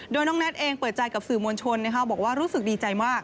โดยน้องแน็ตเองเปิดใจกับสื่อมวลชนบอกว่ารู้สึกดีใจมาก